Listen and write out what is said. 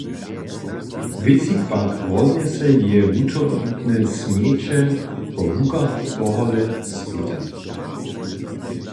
Wětřik pak roznjese jeje wutrobite smjeće po łukach tohole swěta.